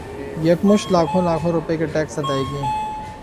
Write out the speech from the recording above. یکمشت لاکھوں لاکھوں روپے کے ٹیکس ادائیگی